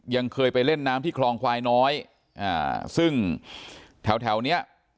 ยังเคยไปเล่นน้ำที่คลองควายน้อยอ่าซึ่งแถวแถวเนี้ย